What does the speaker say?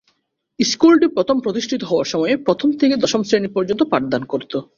স্কুলটি প্রথম প্রতিষ্ঠিত হওয়ার সময়ে প্রথম থেকে দশম শ্রেণী পর্যন্ত পাঠদান করতো।